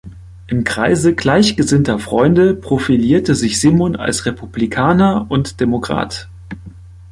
Im Kreise gleichgesinnter Freunde profilierte sich Simon als Republikaner und Demokrat.